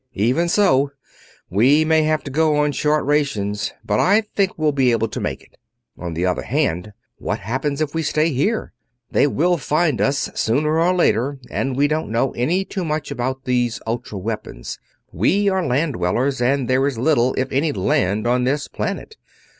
Even so, we may have to go on short rations, but I think that we'll be able to make it. On the other hand, what happens if we stay here? They will find us sooner or later, and we don't know any too much about these ultra weapons. We are land dwellers, and there is little if any land on this planet.